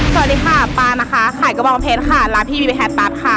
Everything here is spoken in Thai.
สวัสดีค่ะปลานะคะขายกระบองเพชรค่ะร้านพี่มีไปแฮสตัสค่ะ